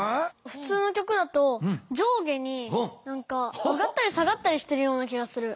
ふつうの曲だと上下に上がったり下がったりしてるような気がする。